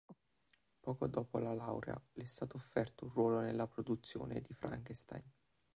Poco dopo la laurea le è stato offerto un ruolo nella produzione di "Frankenstein".